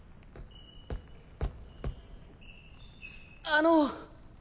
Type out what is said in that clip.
あの。